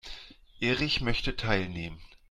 Erich möchte teilnehmen.